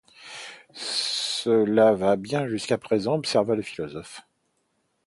Cela va bien jusqu’à présent, observa le philosophe.